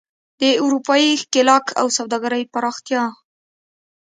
د اروپايي ښکېلاک او سوداګرۍ پراختیا.